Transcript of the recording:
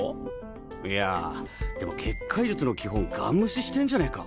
いやでも結界術の基本ガン無視してんじゃねぇか。